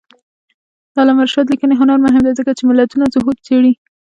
د علامه رشاد لیکنی هنر مهم دی ځکه چې ملتونو ظهور څېړي.